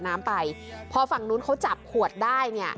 แล้วยนรกฑจบขวดได้